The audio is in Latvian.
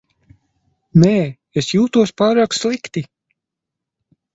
Nē, es jūtos pārāk slikti.